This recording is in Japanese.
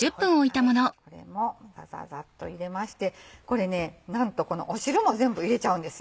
これもざざざっと入れましてこれなんとこの汁も全部入れちゃうんです。